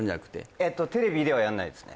えっとテレビではやんないですね